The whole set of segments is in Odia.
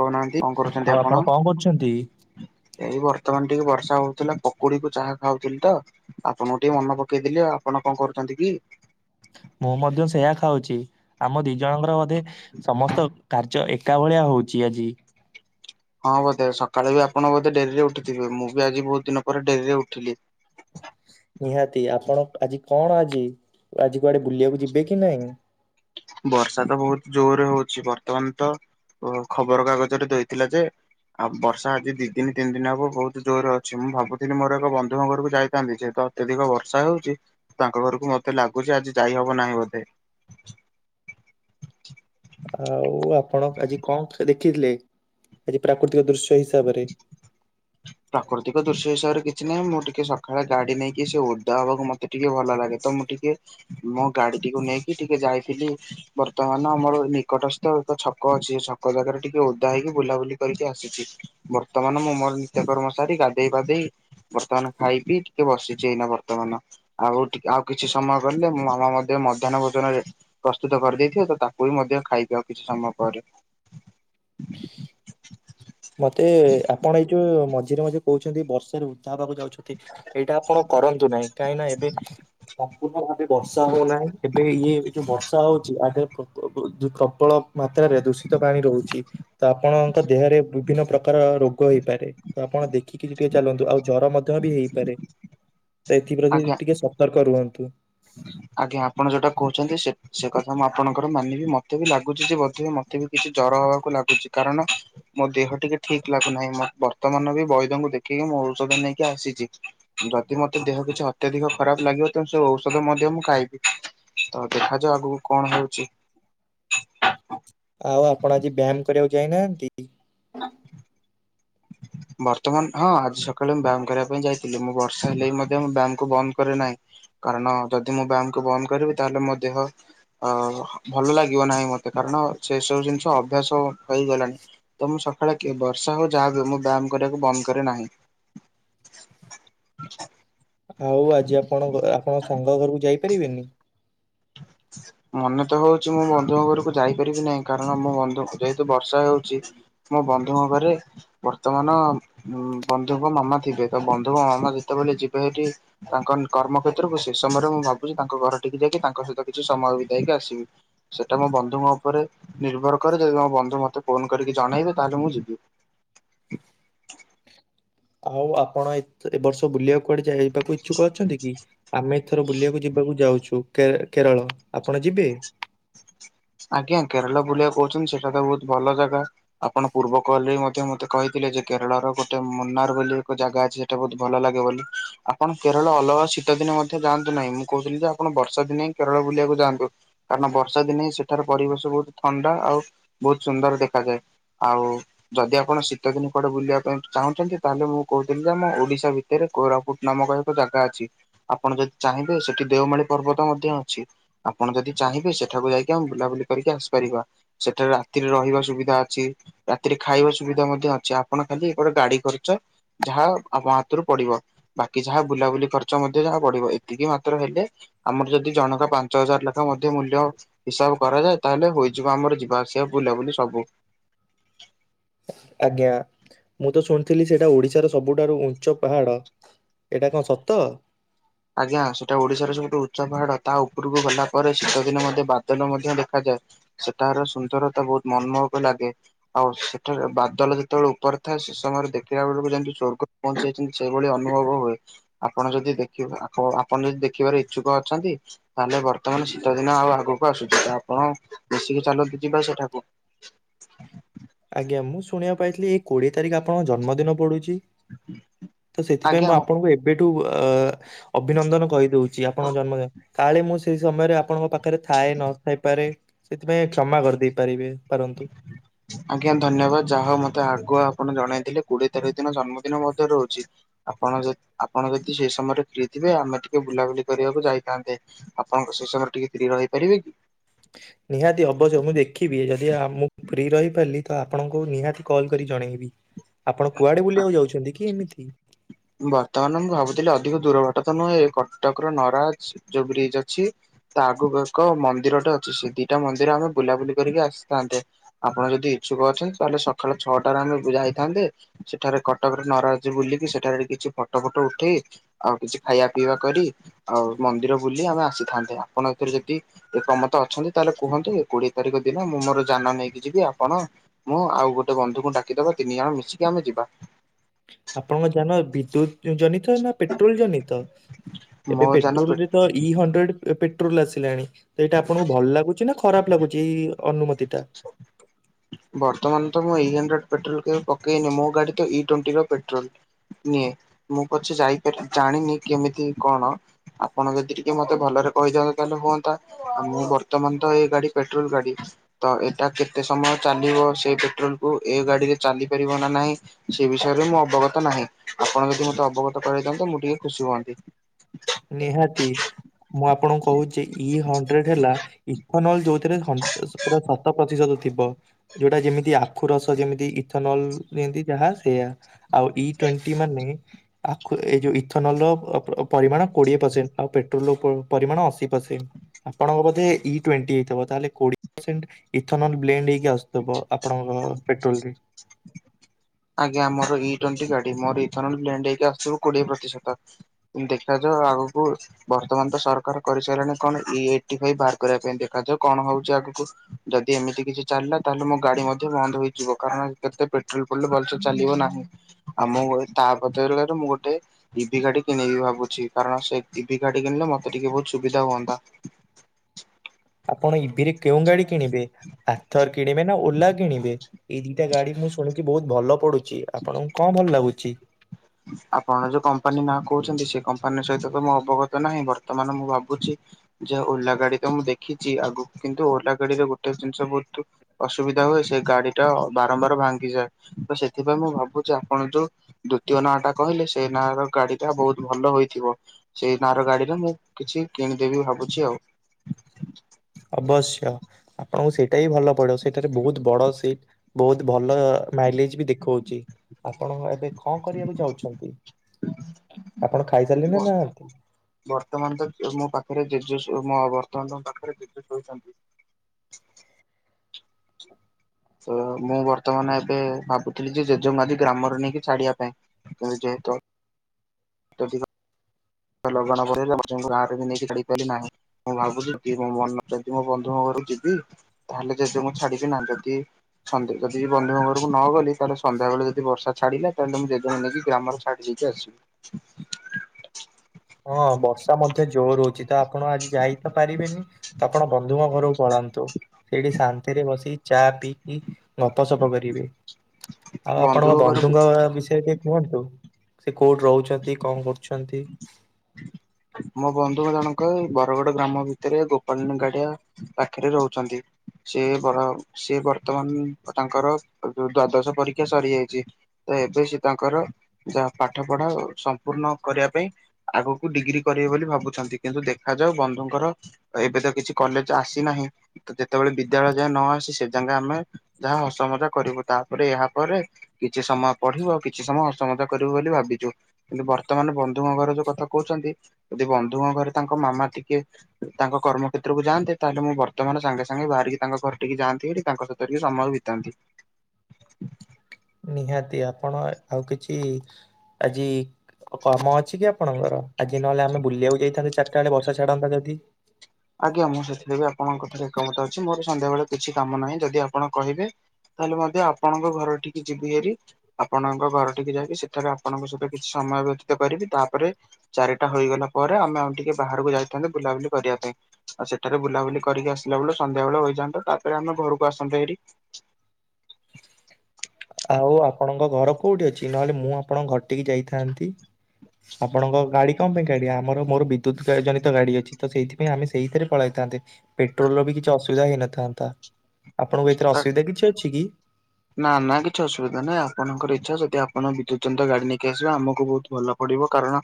କହୁନାହାନ୍ତି କଣ କରୁଛନ୍ତି ଆଉ ଆପଣ? କଣ କରୁଛନ୍ତି? ଏଇ ବର୍ତ୍ତମାନ ଟିକେ ବର୍ଷା ହଉଥିଲା ପକୁଡିକୁ ଚାହା ଖାଉଥିଲି ତ! ଆପଣଙ୍କୁ ଟିକେ ମନ ପକେଇ ଦେଲି ଆଉ ଆପଣ କଣ କରୁଛନ୍ତି କି? ମୁଁ ମଧ୍ୟ ସେୟା ଖାଉଚି । ଆମ ଦିଜଣଙ୍କର ବୋଧେ ସମସ୍ତ କାର୍ଯ୍ୟ ଏକାଭଳିଆ ହଉଛି ଆଜି। ହଁ ବୋଧେ ସକାଳେ ବି ଆପଣ ବୋଧେ ଡେରିରେ ଉଠିଥିବେ। ମୁଁ ବି ଆଜି ବହୁତ ଦିନ ପରେ ଡେରିରେ ଉଠିଲି। ନିହାତି ଆପଣ ଆଜି କଣ ଆଜି? ଆଜି କୁଆଡେ ବୁଲିଆକୁ ଯିବେ କି ନାଇଁ? ବର୍ଷା ତ ବହୁତ ଜୋରେ ହଉଛି। ବର୍ତ୍ତମାନ ତ ଓହୋ ଖବରକାଗଜରେ ଦେଇଥିଲା ଯେ ଆଉ ବର୍ଷା ଆଜି ଦିଦିନ ତିନିଦିନ ହବ ବହୁତ ଜୋରେ ଅଛି। ମୁଁ ଭାବୁଥିଲି ମୋର ଏକ ବନ୍ଧୁଙ୍କ ଘରକୁ ଯାଇଥାନ୍ତି। ସେତ ଅତ୍ୟଧିକ ବର୍ଷା ହଉଛି ତାଙ୍କ ଘରକୁ ମତେ ଲାଗୁଛି ଆଜି ଯାଇ ହବନାହିଁ ବୋଧେ! ଆଉ ଆପଣ ଆଜି କଣ ଖ ଦେଖିଥିଲେ? ଆଜି ପ୍ରାକୃତିକ ଦୃଶ୍ୟ ହିସାବରେ? ପ୍ରାକୃତିକ ଦୃଶ୍ୟ ହିସାବରେ କିଛି କିଛି ନାଇଁ ମୁଁ ଟିକେ ସଖାଳେ ଗାଡି ନେଇକି ସେ ଓର୍ଦ୍ଦା ହବାକୁ ମତେ ଟିକେ ଭଲ ଲାଗେ। ତ ମୁଁ ଟିକେ ମୋ ଗାଡି ଟିକୁ ନେଇକି ଟିକେ ଯାଇଥିଲି ବର୍ତ୍ତମାନ ଆମର ନିକଟସ୍ଥ ଏକ ଛକ ଅଛି ସେ ଛକ ଜାଗାରେ ଟିକେ ଓଦା ହେଇକି ବୁଲାବୁଲି କରିକି ଆସିଛି ବର୍ତ୍ତମାନ ମୁଁ ମୋର ନି ତ୍ୟ କର୍ମ ସାରି ଗାଧେଇ ପାଧେଇ ବର୍ତ୍ତମାନ ଖାଇ ପିଇ ଟିକେ ବସିଛି ଏଇନା ବର୍ତ୍ତମାନ ଆଉ ଟି ଆଉ କିଛି ସମୟ ଗଲେ ମୋ ମାମା ମଧ୍ୟ ମଧ୍ୟାହ୍ନ ଭୋଜନରେ ପ୍ରସ୍ତୁତ କରିଦେଇଥିବ ତ ତାକୁ ବି ମଧ୍ୟ ଖାଇବି [unintelligible] ସମୟ ପରେ। [unintelligible] ମତେ ଆପଣ ଏଇ ଯୋଉ ମଝିରେ ମଝିରେ କହୁଛନ୍ତି କି ବର୍ଷାରେ ଉଦା ହେବାକୁ ଯାଉଛ ନ୍ତି ଏଇଟା ଆପଣ କରନ୍ତୁ ନାହିଁ କାଇଁ ନା ଏବେ ସମ୍ପୂର୍ଣ ଭାବେ ବର୍ଷା ହଉନାହିଁ ଏବେ ଇଏ ଏ ଯୋଉ ବର୍ଷା ହଉଛି ଆ ଧିଏ [unintelligible] ପ୍ରବଳ ମାତ୍ରାରେ ଦୂଷିତ ପାଣି ରହୁଛି ତ ଆପଣଙ୍କ ଦେହରେ ବିଭିନ୍ନ ପ୍ରକାରର ରୋଗ ହେଇପାରେ, ତ ଆପଣ ଦେଖିକି ଟିକେ ଚାଲନ୍ତୁ ଆଉ ଜର ମଧ୍ୟ ବି ହେଇପାରେ, ଏଥିପ୍ରତି ଆଜ୍ଞା। ଟିକେ ସତର୍କ ରୁହନ୍ତୁ। [unintelligible] ଆଜ୍ଞା ଆପଣ ଯୋଉଟା କହୁଛନ୍ତି ସେ ସେକଥା ମୁଁ ଆପଣଙ୍କର ମାନିବି, ମତେ ବି ଲାଗୁଛି ଯେ ବୋଧ ହୁଏ ମତେ ବି କିଛି ଜ ଭଲ ହବାକୁ ଲାଗୁଛି କାରଣ ମୋ ଦେହ ଟିକେ ଠିକ ଲାଗୁନାହିଁ ବର୍ତ୍ତମାନ ବି ବୈଦଙ୍କୁ ଦେଖିଇ ମୁଁ ଔଷଧ ନେଇକି ଆସିଛି। ଯଦି ମତେ ଦେହ କିଛି ଅତ୍ୟଧିକ ଖରାପ ଲାଗିବ ତାହେଲେ ସେ ଔଷ ଔଷଧ ମଧ୍ୟ ମୁଁ ଖାଇବି, ତ ଦେଖାଯାଉ ଆଗକୁ କଣ ହଉଛି। ଆଉ ଆପଣ ଆଜି ବ୍ୟାୟାମ କରିବାକୁ ଯାଇନାହାନ୍ତି କି? ବର୍ତ୍ତମାନ, ହଁ ଆଜି ସକାଳେ ମୁ ବ୍ୟାୟାମ କରିବା ପାଇଁ ଯାଇଥିଲି। ମୁଁ ବର୍ଷା ହେଲେ ବି ମଧ୍ୟ ବ୍ୟାୟାମ କୁ ବନ୍ଦ କରେ ନାହିଁ। କାରଣ ଯଦି ମୁଁ ବ୍ୟାୟାମ କୁୁ ବନ୍ଦ କରିବି ତାହେଲେ ମୋ ଦେହ ଅ ଭଲ ଲାଗିବ ନାହିଁ ମତେ। କାରଣ ସେ ସବୁ ଜିନିଷ ଅଭ୍ୟାସ ହେଇଗଲାଣି ତ ମୁଁ ସ ସକାଳେ କି ବର୍ଷା ହଉ ଯାହାବି ହେଉ ମୁଁ ବ୍ୟାୟାମ କରିବାକୁ ବନ୍ଦ କରେ ନାହିଁ। ଆଉ ଆଜି ଆପଣ ଆପଣ ସାଙ୍ଗ ଘରକୁ ଯାଇପାରିବେନି? ହ ମନେ ତ ହଉଛି ମୁଁ ବନ୍ଧୁଙ୍କ ଘରକୁ ଯାଇପାରିବି ନାହିଁ। କାରଣ ମୋ ବନ୍ଧୁ ଯେହେତୁ ବର୍ଷା ହେଉଛି ମୋ ବନ୍ଧୁଙ୍କ ଘରେ ବର୍ତ୍ତମାନ ବନ୍ଧୁଙ୍କ ମାମା ଥିବେ ତ ବନ୍ଧୁଙ୍କ ମାମା ଯେତେବେଳେ ଯିବେ ହେଠି, ତାଙ୍କ କରମ କ୍ଷେତ୍ର କୁ ସେ ସମୟରେ ମୁଁ ଭାବୁଛି ତାଙ୍କ ଘର ଟିକି ଯାଇକି ତା ତାଙ୍କ ସହିତ କିଛି ସମୟ ବିତେଇକି ଆସିବି। ସେଇଟା ମୋ ବନ୍ଧୁଙ୍କ ଉପରେ ନିର୍ଭର କରେ ଯଦି ମୋ ବନ୍ଧୁ ମତେ ଫୋନ କରିକି ଜଣେଇବେ, ତାହେଲେ ମୁଁ ଯିବି। ଆଉ ଆପଣ ଏବ ଏ ବର୍ଷ ବୁଲିବାକୁ କୁଆଡେ ଯାଇବାକୁ ଇଚ୍ଛୁକ ଅଛନ୍ତି କି? ଆମେ ଏଥର ବୁଲିବାକୁ ଯିବାକୁ ଯାଉଛୁ କେ କେରଳ, ଆପଣ ଯିବେ? ଆଜ୍ଞା କେରଳ ବୁଲିବାକୁ କହୁଛନ୍ତି, ସେଇଟା ତ ବହୁତ ଭଲ ଜାଗା। ଆପଣ ପୂର୍ବ କଲ୍ ରେ ବି ମ ମତେ କହିଥିଲେ ଯେ, କେରଳର ଗୋଟେ ମୁନ୍ନାର ବୋଲି ଏକ ଜାଗା ଅଛି ସେଟା ବହୁତ ଭଲ ଲାଗେ ବୋଲି। ଆପଣ କେ କେରଳ ଅଲଗା ଶୀତ ଦିନେ ମଧ୍ୟ ଯାଆନ୍ତୁ ନାହିଁ ମୁଁ କହୁଥିଲି ଯେ ଆପଣ ବର୍ଷା ଦିନ ହିଁ କେରଳ ବୁଲିବାକୁ ଯାଆନ୍ତୁ। କାରଣ ବର୍ଷା ଦିନ [inaudible] ସେ ସେଠାରେ ପରିବେଶ ବହୁତ ଥଣ୍ଡା ଆଉ ବହୁତ ସୁନ୍ଦର ଦେଖାଯାଏ। ଆଉ ଯଦି ଆପଣ ଶୀତ ଦିନ କୁଆଡେ ବୁଲିବା ପାଇଁ ଚାହୁଁଛନ୍ତି ତାହେଲେ ମୁଁ କହୁଥିଲି ଯେ, ଆମ ଓଡିଶା ଭିତରେ କୋରାପୁଟ ନାମକ ଏକ ଜାଗା ଅଛି। ଆପଣ ଯଦି ଚାହିଁବେ ସେଠି ଦେଓମାଳି ପର୍ବତ ମଧ୍ୟ ଅଛି। ଆପଣ ଯଦି ଚାହିଁବେ ସେଠାକୁ ଯାଇକି କି ଆମେ ବୁଲାବୁଲି କରିକି ଆସିପାରିବା ସେଠାରେ ରାତିରେ ରହିବା ସୁବିଧା ଅଛି ।ରାତିରେ ଖାଇବା ସୁବିଧା ମଧ୍ୟ ଅଛି ଆପଣ ଖାଲି ଏପଟେ ଗାଡି ଖର୍ଚ୍ଚ ଯାହା ଆପଣ ହାତରୁ ପଡିବ, ବାକି ଯାହା ବୁଲାବୁଲି ଖର୍ଚ୍ଚ ମଧ୍ୟ ଯାହା ପଡିବ ଏତିକି ମାତ୍ର ହେଲେ ଆମର ଯଦି ଜଣକା ପାଞ୍ଚ ହଜାର ଲେଖା ମଧ୍ୟ ମୂଲ୍ୟ ହେଉଛି। ହିସାବ କରାଯାଏ ତାହେଲେ ହୋଇଯିବ ଆମର ଯିବା ଆସିବା ବୁଲାବୁଲି ସବୁ। ଆଜ୍ଞା ମୁଁ ତ ଶୁଣିଥିଲି ସେଇଟା ଓଡିଶାର ସବୁଠାରୁ ଉଁଚ୍ଚ ପାହାଡ। ଏଇଟା କଣ ସତ? ଆଜ୍ଞା ସେଟା ଓଡିଶାର ସବୁଠୁ ଉଚ୍ଚ ପାହାଡ। ତା ଉପରକୁ ଗଲା ପରେ ଶୀତ ଦିନ ମଧ୍ୟ ବାଦଲ ମଧ୍ୟ ଦେଖାଯାଏ ସେଠାର ସୁନ୍ଦରତା ବହୁତ ମନମୋହକ ଲାଗେ ଆଉ ସେଠାରେ ବାଦଲ ଯେତେବେଳେ ଉପରେ ଥାଏ ସେ ସମୟରେ ଦେଖିଲା ବେଳକୁ ଯେମିତି ସ୍ୱର୍ଗ ପହଞ୍ଚିାଇଛନ୍ତି ସେଭଳି ଅନୁଭବ ହୁଏ। ଆପଣ ଯଦି ଦେ ଆପଣ ଯଦି ଦେଖିବାର ଇଚ୍ଛୁକ ଅଛନ୍ତି, ତାହେଲେ ବର୍ତ୍ତମାନ ଶୀତ ଦିନ ଆଉ ଆଗକୁ ଆସୁଛି ହଁ ମିଶିକି ଚାଲନ୍ତୁ ଯିବା ସେଠାକୁ। ଆଜ୍ଞା, ମୁଁ ଶୁଣିବାକୁ ପାଇଥିଲି ଏଇ କୋଡିଏ ତାରିଖ ଆପଣଙ୍କ ଜନ୍ମଦିନ ପଡୁଛି। ତ ସେଥିପାଇଁ ଆଜ୍ଞା ମୁଁ ଆପଣଙ୍କୁ ଏବେଠୁ ଅ ଅଭିନନ୍ଦନ କହିଦଉଛି ଆପଣଙ୍କ ଜନ୍ମଦିନ କାଳେ ମୁଁ ସେଇ ସମୟରେ ଆପଣଙ୍କ ପାଖରେ ଥାଏ ନଥାଇପାରେ। ସେଥିପାଇଁ କ୍ଷମା କରିଦେଇ ପାରିବେ ପାରନ୍ତୁ ଆଜ୍ଞା, ଧନ୍ୟବାଦ ଯାହା ହେଉ ମତେ ଆଗୁଆ ଆପଣ ଜଣେଇଥିଲେ କୋଡିଏ ତାରିଖ ଦିନ ଜନ୍ମଦିନ ମଧ୍ୟ ରହୁଛି। ଆପଣ ଯଦି ଆପଣ ଯଦି ସେଇ ସମୟରେ ଫ୍ରି ଥିବେ ଆମେ ଟିକେ ବୁଲାବୁଲି କରିବାକୁ ଯାଇଥାନ୍ତେ ଆପଣ ସେଇ ସମୟରେ ଟିକେ ଫ୍ରି ରହିପାରିବେ କି? ନିହାତି ଅବଶ୍ୟ ମୁଁ ଦେଖିବି ଯଦି ମୁଁ ଆ ମୁଁ ଫ୍ରି ରହିପାରିଲି, ତ ଆପଣଙ୍କୁ ନିହାତି କଲ୍ କରି ଜଣେଇବି। ଆପଣ କୁଆଡ଼େ ବୁଲିବାକୁ ଯାଉଛନ୍ତି କି ଏମିତି? ବର୍ତ୍ତମାନ ମୁ ଭବୁଥିଲେ ଅଧିକ ଦୂରବର୍ତ୍ [inaudible] କଟକ ତ ନୁହେଁ ଏ କଟକର ନରାଜ ଯୋଉ ବ୍ରିଜ୍ ଅଛି ତା ଆଗକୁ ଏକ ମନ୍ଦିରଟେ ଅଛି ସେ ଦିଟା ମନ୍ଦିର ଆମେ ବୁଲାବୁଲି କରିକି ଆସିଥାନ୍ତେ। ଆପଣ ଯଦି ଇଚ୍ଛୁକ ଅଛନ୍ତି ତାହଲେ ସକାଳ ଛଅଟାରେ ଆମେ ବୁ ଯାଇଥାନ୍ତେ। ସେଠାରେ କଟକରେ ନରାଜ ବୁଲିକି ସେଠାରେ କିଛି ଫଟ ଫଟ ଉଠେଇ ଆଉ କିଛି ଖାଇବା ପିଇବା କରି ଆଉ ମନ୍ଦିର ବୁଲି ଆମେ ଆସିଥାନ୍ତେ। ଆପଣ ଏଥିରେ ଯଦି ଏକମତ ଅଛନ୍ତି ତାହେଲେ କୁହନ୍ତୁ ଏ କୋଡିଏ ତାରିଖ ଦିନ ମୁଁ ମୋର ଯାନ ନେଇକି ଯିବି ଆପଣ ମୁଁ ଆଉ ଗୋଟେ ବନ୍ଧୁଙ୍କୁ ଡାକିଦବ ତିନି ଜଣ ମିଶି କି ଆମେ ଯିବା। ଆପଣଙ୍କ ଯାନ ବିଦ୍ୟୁତ ଜନିତ? ପେଟ୍ରୋଲ ଜନିତ। ମୋ ଏବେ ଯାନ ପେଟ୍ରୋଲରେ ତ ଇ ହଣ୍ଡ୍ରେଡ ପେ ଆସିଲାଣି ତ ଏଇଟା ଆପଣଙ୍କୁ ଭଲ ଲାଗୁଛି ନା ଖରାପ ଲାଗୁଛି ଏଇ ଅନୁମତିଟା? ବର୍ତ୍ତମାନ ତ ମୁଁ ଇ ହଣ୍ଡ୍ରେଡ ପେଟ୍ରୋଲ କେବେ ପକେଇନି ମୋ ଗାଡି ତ ଇ ଟ୍ୱେଣ୍ଟିର ପେଟ୍ରୋଲ। ନିଏ। ମୁଁ ପଛେ ଯାଇପାରି ଜାଣିନି କେମିତି କଣ? ଆପଣ ଯଦି ଟିକେ ମତେ ଭଲରେ କହିଥାନ୍ତା ହୁଅନ୍ତା। ମୁ ବର୍ତ୍ତମାନ ତ ଏଇ ଗାଡି ପେଟ୍ରୋଲ ଗାଡି ତ ଏଇଟା କେତେ ସମୟ ଚାଲିବ ସେ ପେଟ୍ରୋଲ କୁ ଏ ଗାଡିରେ ଚାଲି ପାରିବ ନା ନାହିଁ ସେ ବିଷୟରେ ମୁଁ ଅବଗତ ନାହିଁ। ଆପଣ ଯଦି ମତେ ଅବଗତ କରାଇେଇଥାନ୍ତେ ମୁଁ ଟିକେ ଖୁସି ହୁଅନ୍ତି। ନିହାତି ମୁଁ ଆପଣଙ୍କୁ କହୁଛି ଇ ହଣ୍ଡ୍ରେଡ ହେଲା ଇଥନଲ ଯୋଉ ଏଥିରେ ପୁରା ଶତ ପ୍ରତିଶତ ଥିବ। ଯୋଉଟା ଯେମିତି ଆଖୁ ରସ ଯେମିତି ଇଥନଲ ସେମିତି ଯାହା ସେଇୟା। ଆଉ ଇ ଟେଣ୍ଟି ମାନେ ଆଖୁ ଏ ଯୋଉ ଇଥନଲ ପ ପ ପରିମାଣ କୋଡିଏ ପରସେଣ୍ଟ ଆଉ ପରିମାଣ ଅଶି ପରସେଣ୍ଟ। ଆପଣଙ୍କ ବୋଧେ ଇ ଟ୍ୱେଣ୍ଟି ହେଇଥିବ ତାହେଲେ କୋଡିଏ ପରସେଣ୍ଟ ଇଥନା ତମର ବ୍ଲେଣ୍ଡ ହେଇକି ଆସୁଥିବ ଆପଣଙ୍କ ପେଟ୍ରୋଲରେ ଆଜ୍ଞା ଆମର ଇ ଟ୍ୱେଣ୍ଟି ଗାଡି। ମୋର ଇଥାନଲ ବେଣ୍ଡ ହେଇକି ଆସୁଚି କୋଡିଏ ପ୍ରତିଶତ। ଇଣ୍ଡେ ଆଗକୁ ବର୍ତ୍ତମାନ ତ ସରକାର କରିସାରିଲାଣି କଣ ଇ ଏଟି ଫାଇଭ ବାହାର କରିବା ପାଇଁ ଦେଖାଯାଉ କଣ ହଉଚି। ଯି ଆଗକୁ ଯଦି ଏମିତି କିଛି ଚାଲିଲା ତାହେଲେ ମୋ ଗାଡି ମଧ୍ୟ ବନ୍ଦ ହେଇଯିବ କାରଣ କେତେ ପେଟ୍ରୋଲ ଭଲସେ ଚାଲିବ ନାହିଁ। ଆଉ ମୁଁ ତା ବଦଳ ରେ ମୁଁ ଗୋଟେ ଇଭି ଗାଡି କିଣିକି ଭାବୁ କାରଣ ସେ ଇଭି ଗାଡ଼ି କିଣିଲେ ମୋତେ ଟିକେ ବହୁତ ସୁବିଧା ହୁଅନ୍ତା। ଆପଣ ଇଭିରେ କେଉଁ ଗାଡି କିଣିବେ ଆଥର କିଣିବେ ନା ଓଲା କିଣିବେ? ଏଇ ଦିଟା ଗାଡି ମୁଁ ଶୁଣିଚି ବହୁତ ଭଲ ପଡୁଛି ଆପଣଙ୍କୁ କଣ ଭଲ ଲାଗୁଛି? ଆପଣ ଯୋଉ କମ୍ପାନୀ ନାଁ କହୁଛନ୍ତି ସେ କମ୍ପାନୀ ସହିତ ତ ମୁଁ ଅବଗତ ନାହିଁ ବର୍ତ୍ତମାନ ମୁଁ ଭାବୁଚି ଯେ ଓଲା ଗାଡି ତ ମୁଁ ଦେଖିଛି ଆଗକୁ କିନ୍ତୁ ଓଲା ଗାଡିରେ ଗୋଟେ ଜିନିଷ ବହୁତ ଅସୁବିଧା ହୁଏ ସେ ଗାଡି ଟା ବାରମ୍ବାର ଭାଙ୍ଗିଯାଏ, ତ ସେଥିପାଇଁ ମୁଁ ଭାବୁଛି ଆପଣ ଯୋଉ ଦୁ ଦ୍ୱିତୀୟ ନାଁ ଟା କହିଲେ ସେଇ ନାଁ ର ଗାଡି ଟା ବହୁତ ଭଲ ହୋଇଥିବ। ସେଇ ନାଁ ର ଗାଡିରେ ମୁଁ କିଛି କି କିଣିଦେବି ଭାବୁଛି ଆଉ। ଅବଶ୍ୟ ଆପଣଙ୍କୁ ସେଇଟା ହି ଭଲ ପଡିବ ସେଠାରେ ବହୁତ ବଡ ସିଟ ବହୁତ ଭଲ ମାଇଲେଜ ବି ଦେଖଉଛି। ଆପଣ ଏବେ କଣ କରିବାକୁ ଯାଉଛନ୍ତି। ଆପଣ ଖାଇ ସାରିଲେ ନା ନାହାନ୍ତି ମୋ ପାଖରେ ଜେଜେ ମ ବର୍ତ୍ତମାନ ତମ ପାଖରେ କିଏ ଜେଜେ ଶୋଇଛନ୍ତି। ତ ମୁଁ ବର୍ତ୍ତମାନ ଏବେ ଭାବୁଥିଲି ଯେ ଜେଜେ ଙ୍କୁ ଆଦି ଗ୍ରାମରେ ନେଇକି ଛାଡିବା ପାଇଁ। କିନ୍ତୁ ଜେ ହେତ ଜଦି କ ଲଗାଣ ବଢି ହେଇଚି ନେଇକି ଆମ ଗାଁରେ ପାରି ନାହିଁ ମୁଁ ଭାବୁଛି କି ମୋ ମନ ମୋ ବନ୍ଧୁ ଘରକୁ ଯିବି ତାହେଲେ ଜେଜେଙ୍କୁ ଛାଡିବି ନା ଯଦି ଯଦି ବନ୍ଧୁଙ୍କ ଘରକୁ ନ ଗଲି ତାହେଲେ ସନ୍ଧ୍ୟାବେଳେ ଯଦି ବର୍ଷା ଛାଡିଲା ତାହେଲେ ମୁଁ ଜେଜେ ଙ୍କୁ ନେଇକି ଗ୍ରାମରେ ଛାଡିଦେଇକି ଆସିବି। [unintelligible] ହଁ ବର୍ଷା ମଧ୍ୟ ଜୋର ହଉଛି। ତ ଆପଣ ଆଜି ଯାଇ ତ ପାରିବେନି ତ ଆପଣ ବନ୍ଧୁଙ୍କ ଘରକୁ ପଳା ସେଠି ଶାନ୍ତିରେ ବସି ଚା ପିଇକି ଗପସପ କରିବେ। ଆଉ ଆପଣଙ୍କ ବନ୍ଧୁଙ୍କ ବିଷୟରେ ଟି କୁହନ୍ତୁ ସେ କୋଉଠି ରହୁଛନ୍ତି କଣ କରୁଛନ୍ତି? ମୋ ବନ୍ଧୁ କ ଜଣକ ବରଗଡ ଗ୍ରାମ ଭିତରେ ଗୋପାଳନ ଗାଡିଆ ପାଖରେ ରହୁଛନ୍ତି। ସେ ବରା ସେ ବର୍ତ୍ତମାନ ତାଙ୍କର ଦ୍ଵାଦଶ ପରୀକ୍ଷା ସରିଯାଇଛି। ତ ଏବେ ସେ ତାଙ୍କର ଯାହା ପାଠ ପଢା ସମ୍ପୂର୍ଣ୍ଣ କରିବା ପାଇଁ ଆଗକୁ ଡିଗ୍ରୀ କରିବେ ବୋଲି ଭାବୁଛନ୍ତି କିନ୍ତୁ ଦେଖାଯାଉ ବନ୍ଧୁଙ୍କର ଏବେ ତ କିଛି କଲେଜ ଆସିନାହିଁ ଯେତେବେଳେ ବିଦ୍ୟାଳୟ ଯାଏ ନ ଆସି ସେ ଯା ଆମେ ଯାହା ହସମଜା କରିବୁ ତାପରେ ଏହାପରେ କିଛି ସମୟ ପଢିବୁ ଆଉ କିଛି ସମୟ ହସମଜା କରିବୁ ବୋଲି ଭାବିଛୁ କିନ୍ତୁ ବର୍ତ୍ତମାନ ବନ୍ଧୁଙ୍କ ଘର ଯୋଉ କଥା କହୁଛନ୍ତି ଯଦି ବନ୍ଧୁଙ୍କ ଘରେ ତାଙ୍କ ମାମା ଟିକେ ତାଙ୍କ କର୍ମକ୍ଷେତ୍ରକୁ ଯାଆନ୍ତେ ତାହେଲେ ମୁଁ ବର୍ତ୍ତମାନ ସାଙ୍ଗେ ସାଙ୍ଗେ ବାହ ତାଙ୍କ ଘର ଟିକେ ଯାଆନ୍ତି ହେରି ତାଙ୍କ ସହିତ ଟିକ ସମୟ ବିତାନ୍ତି। ନିହାତି ଆପଣ ଆଉ କିଛି ଆଜି କାମ ଅଛି କି ଆପଣଙ୍କର ଆଜି ନହେଲେ ଆମେ ବୁଲିବାକୁ ଯାଇଥାନ୍ତେ ଚାରିଟା ବେଳେ ବର୍ଷା ଛାଡନ୍ତା ଯଦି। ଆଜ୍ଞା ମୁଁ ସେଥିରେ ବି ଆପଣଙ୍କ କଥାରେ ଏକମତ ଅଛି ମୋର ସନ୍ଧ୍ୟାବେେଳେ କିଛି କାମ ନାହିଁ ଯଦି ଆପଣ କହିବେ ତାହେଲେ ମଧ୍ୟ ଆପଣଙ୍କ ଘର ଟିକି ଯିବି ହେରି ଆପଣଙ୍କ ଘର ଟିକି ଯାଇକି ସେଠାରେ ଆପଣଙ୍କ ସହିତ କିଛି ସମୟ ବ୍ୟତୀତ କରିବି ତାପରେ ଚାରିଟା ହୋଇଗଲା ପରେ ଆମେ ଆଉ ଟିକେ ବାହାରକୁ ଯାଇଥାନ୍ତେ ବୁଲାବୁଲି କରିବା ପାଇଁ। ଆଉ ସେଠାରେ ବୁଲାବୁଲି କରିକି ଆସିଲା ବେଳ ସନ୍ଧ୍ୟା ବେଳ ହୋଇଯାଆନ୍ତତା ତାପରେ ଆମେ ଘରକୁ ଆସନ୍ତତେ ହେରି। [inaudible] ଆଉ ଆପଣଙ୍କ ଘର କୋଉଠି ଅଛି ନହେଲେ ମୁଁ ଆପଣଙ୍କ ଘରଟିକି ଯାଇଥାନ୍ତି। ଆପଣଙ୍କ ଗାଡି କଣ ପାଇଁ ଗାଡି ଆମର ମୋର ବିଦ୍ୟୁତ ଜନିତ ଗାଡି ଅଛି ତ ସେଇଥିାଇଁ ଆମେ ସେଇଥିରେ ପଳାଇଥାନ୍ତେ ପେଟ୍ରୋଲ ବି କିଛି ଅସୁବିଧା ହେଇନଥାନ୍ତା ଆପଣଙ୍କୁ ଏଥିରେ ଅସୁବିଧା କିଛି ଅଛି କି? ନା ନା କିଛି ଅସୁବିଧା ନାହିଁ ଆପଣଙ୍କର ଇଚ୍ଛା ଯଦି ଆପଣ ବିଦ୍ୟୁତ ଜନିତ ଗାଡି ନେଇକି ଆସିବାେ ଆମକୁ ବହୁତ ଭଲ ପଡ କାରଣ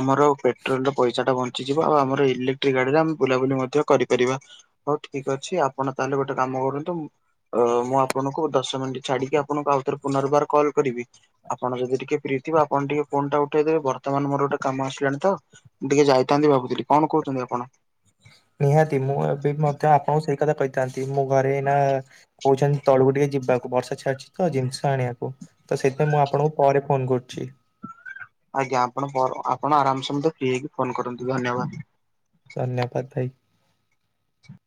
ଆମର ପେଟ୍ରୋଲ ର ପଇସା ଟା ବଞ୍ଚି ଯିବ ଆଉ ଆମର ଇଲେଟ୍ରିକ ଗାଡିରେ ଆମେ ବୁଲାବୁଲି ମଧ୍ୟ କରିପାରିବା ହଉ ଠିକ ଅଛି ଆପଣ ତାହେଲେ ଗୋଟେ କାମ କରୁ ମୁଁ ଆପଣ ଦଶ ମିନିଟ ଛାଡିକି ଆପଣଙ୍କୁ ଆଉଥ ପୁନର୍ବାର କଲ୍ କରିବି ଆପଣ ଯଦି ଟିକେ ଫି ଥିବ ଆପଣ ଟିକେ ଉଠେଇଦେବେ ବର୍ତ୍ତମାନ ମୋର ଗୋଟେ କାମ ଆସିଲାଣି ତ ମୁଁ ଟିକେ ଯାଇଥାନ୍ତି ଭାବୁଥିଲି କଣ କହୁଛନ୍ତି ଆପଣ ନିହାତି ମୁଁ ଏବେ ମଧ୍ୟ ଆପଣଙ୍କୁ ସେଇ କଥା କହିଥାନ୍ତି ମୁଁ ଘରେ ନା କହୁଛନ୍ତି ତଳକୁ ଟିକେ ଯିବାକୁ ବର୍ଷା ଛାଡିଛି ତ ଜିନିଷ ଆଣିବାକୁ ତ ସେଇଥିପାଇଁ ମୁଁ ଆପଣଙ୍କୁ ପରେ ଫୋନ କରୁଛି ଆଜ୍ଞା ଆପଣ ଆପଣ ଆରାମସ ମେ ଫ୍ରି ହେଇକି ଫୋନ କରନ୍ତୁ ଧନ୍ୟବାଦ ଧନ୍ୟବାଦ ଭାଇ ଆଛା